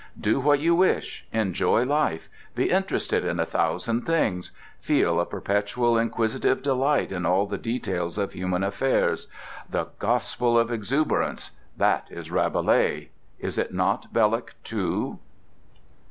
Do what you wish, enjoy life, be interested in a thousand things, feel a perpetual inquisitive delight in all the details of human affairs! The gospel of exuberance—that is Rabelais. Is it not Belloc, too?